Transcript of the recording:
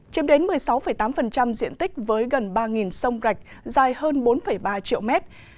chiếm đến một mươi sáu tám diện tích với gần ba sông rạch dài hơn bốn ba triệu mét